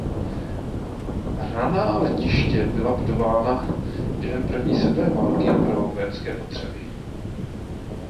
Raná letiště byla budována během první světové války pro vojenské potřeby.